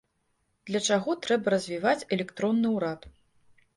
Для чаго трэба развіваць электронны ўрад.